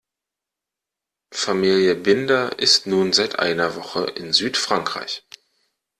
Familie Binder ist nun seit einer Woche in Südfrankreich.